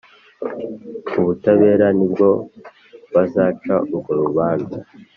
Ubutabera nibwo bazaca urwo rubanza